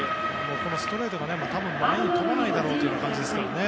このストレートが前に飛ばないだろうという感じですよね。